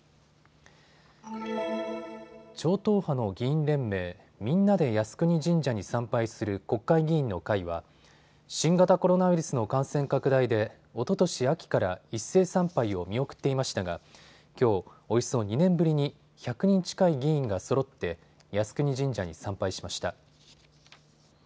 超党派の議員連盟、みんなで靖国神社に参拝する国会議員の会は新型コロナウイルスの感染拡大でおととし秋から一斉参拝を見送っていましたがきょう、およそ２年ぶりに１００人近い議員がそろって靖国神社に参拝しました。